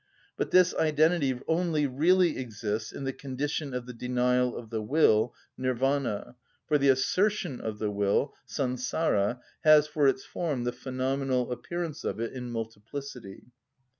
(47) But this identity only really exists in the condition of the denial of the will (Nirvana), for the assertion of the will (Sansara) has for its form the phenomenal appearance of it in multiplicity.